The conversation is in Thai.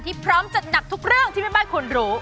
พร้อมจัดหนักทุกเรื่องที่แม่บ้านควรรู้